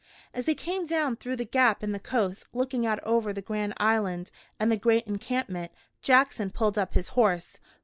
As they came down through the gap in the Coasts, looking out over the Grand Island and the great encampment, Jackson pulled up his horse.